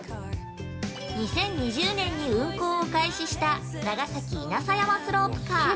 ◆２０２０年に運行を開始した長崎稲佐山スロープカー。